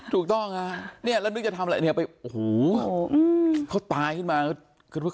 ถูกต้องฮะเนี่ยแล้วนึกจะทำอะไรเนี่ยไปโอ้โหเขาตายขึ้นมา